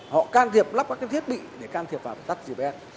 họ can thiệp lắp các cái thiết bị để can thiệp vào việc tắt gps